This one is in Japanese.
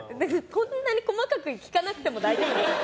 そんなに細かく聞かなくても大丈夫ですよ。